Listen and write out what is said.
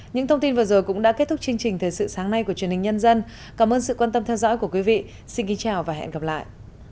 những thông tin vừa rồi cũng đã kết thúc chương trình thời sự sáng nay của truyền hình nhân dân cảm ơn sự quan tâm theo dõi của quý vị xin kính chào và hẹn gặp lại